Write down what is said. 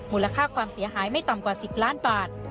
มูลค่าความเสียหายไม่ต่ำกว่า๑๐ล้านบาท